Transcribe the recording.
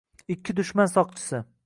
Ikki dushman soqchisi